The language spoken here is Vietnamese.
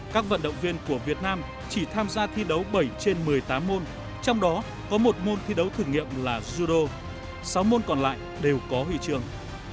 các vận động viên của việt nam chỉ tham gia thi đấu bảy trên một mươi tám môn trong đó có một môn thi đấu thử nghiệm là judo sáu môn còn lại đều có huy trường